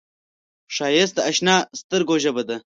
ښایست د اشنا سترګو ژبه ده